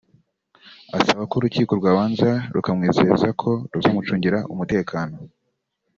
asaba ko urukiko rwabanza rukamwizeza ko ruzamucungira umutekano